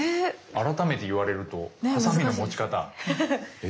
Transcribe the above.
改めて言われるとハサミの持ち方。え？